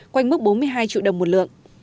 quanh mức bốn mươi hai triệu đồng một lượng